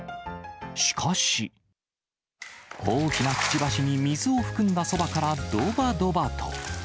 しかし、大きなくちばしに水を含んだそばからどばどばと。